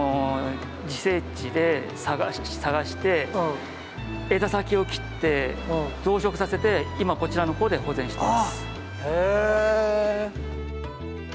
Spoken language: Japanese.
自生地で探して枝先を切って増殖させて今こちらの方で保全しています。